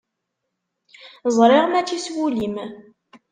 Ẓriɣ mačči s wul-im.